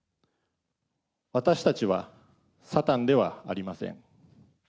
私たちはサタンではありません。